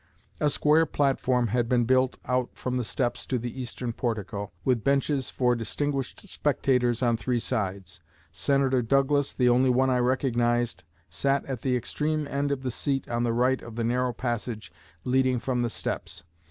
A square platform had been built out from the steps to the eastern portico, with benches for distinguished spectators on three sides. Senator Douglas, the only one I recognized, sat at the extreme end of the seat on the right of the narrow passage leading from the steps.